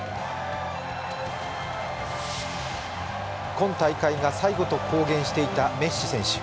今大会が最後と公言していたメッシ選手。